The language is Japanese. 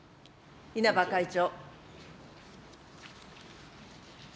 稲葉会長。